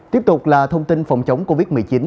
tiếp tục là thông tin phòng chống covid một mươi chín